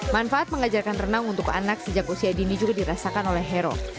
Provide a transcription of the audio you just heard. manfaat mengajarkan renang untuk anak sejak usia dini juga dirasakan oleh hero